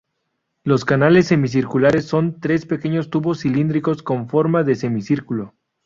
Los canales semicirculares son tres pequeños tubos cilíndricos con forma de semicírculo.